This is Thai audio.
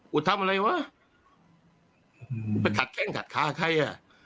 ทำอะไรวะไปขัดแข้งขัดขาใครอ่ะ